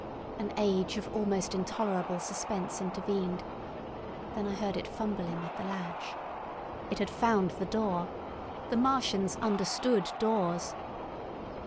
An age of almost intolerable suspense intervened; then I heard it fumbling at the latch! It had found the door! The Martians understood doors!